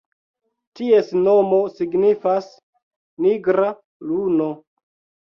Ties nomo signifas "nigra luno".